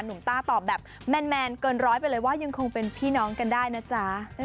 ต้าตอบแบบแมนเกินร้อยไปเลยว่ายังคงเป็นพี่น้องกันได้นะจ๊ะ